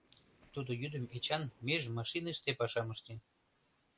Тудо йӱдым Эчан меж машиныште пашам ыштен.